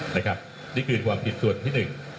นี่คือความผิดส่วนที่๑